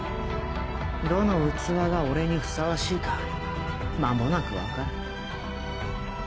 どの器が俺にふさわしいか間もなく分かる。